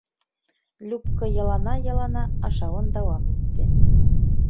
Любка ялана-ялана ашауын дауам итте.